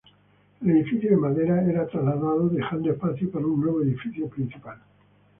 El edificio de madera era trasladado dejando espacio para un nuevo edificio principal.